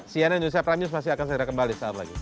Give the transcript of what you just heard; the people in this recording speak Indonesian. cnn indonesia prime news masih akan segera kembali